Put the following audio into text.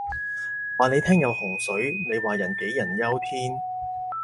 話你聽有洪水，你話人杞人憂天